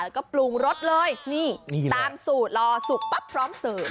แล้วก็ปลูงรสเลยนี่นี่แหละตามสูตรรอสุกปั๊บพร้อมเสริม